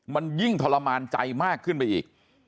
มันยิ่งทรมานใจมากขึ้นไปอีก